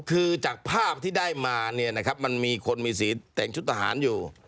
คือจากภาพที่ได้มาเนี่ยนะครับมันมีคนมีสีแต่งชุดทหารอยู่